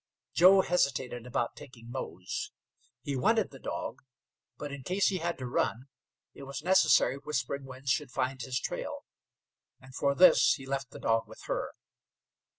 Joe hesitated about taking Mose. He wanted the dog, but in case he had to run it was necessary Whispering Winds should find his trail, and for this he left the dog with her.